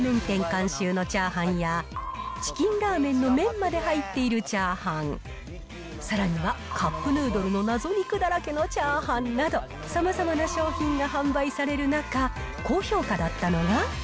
監修のチャーハンや、チキンラーメンの麺まで入っているチャーハン、さらにはカップヌードルの謎肉だらけのチャーハンなど、さまざまな商品が販売される中、高評価だったのが。